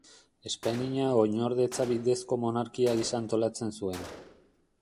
Espainia oinordetza bidezko monarkia gisa antolatzen zuen.